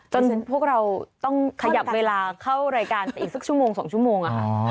พวกเราต้องขยับเวลาเข้ารายการไปอีกสักชั่วโมง๒ชั่วโมงค่ะ